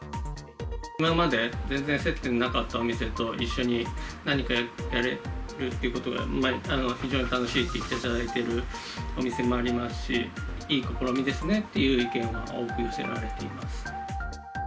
今まで全然接点のなかったお店と、一緒に何かやれるっていうことで、非常に楽しいと言っていただけるお店もありますし、いい試みですねっていう意見は多く寄せられています。